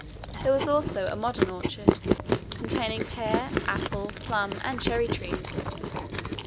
There was also a modern orchard, containing pear, apple, plum, and cherry trees.